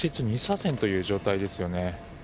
車線という状態ですよね。